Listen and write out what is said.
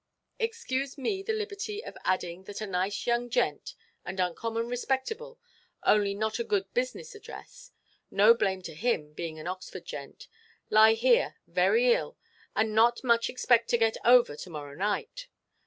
Excuse me the liberty of adding that a nice young gent and uncommon respectable, only not a good business address—no blame to him, being a Oxford gent—lie here very ill, and not much expect to get over to–morrow night.